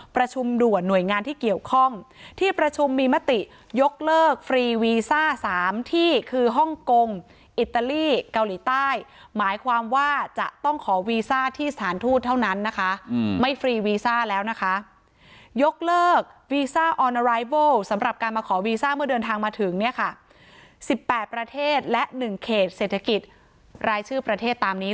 ด่วนหน่วยงานที่เกี่ยวข้องที่ประชุมมีมติยกเลิกฟรีวีซ่า๓ที่คือฮ่องกงอิตาลีเกาหลีใต้หมายความว่าจะต้องขอวีซ่าที่สถานทูตเท่านั้นนะคะไม่ฟรีวีซ่าแล้วนะคะยกเลิกวีซ่าออนารายเวิลสำหรับการมาขอวีซ่าเมื่อเดินทางมาถึงเนี่ยค่ะสิบแปดประเทศและ๑เขตเศรษฐกิจรายชื่อประเทศตามนี้